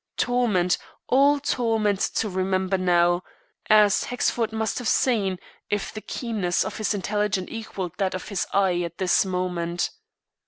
Torment, all torment to remember now, as Hexford must have seen, if the keenness of his intelligence equalled that of his eye at this moment.